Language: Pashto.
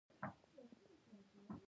• خندا کول ذهن ته خوشحالي ورکوي.